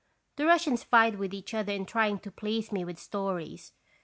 The Russians vied with each other in trying to please me with stories.